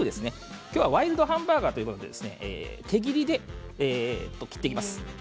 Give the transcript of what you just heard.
今日はワイルドハンバーガーということで手切りで切っていきます。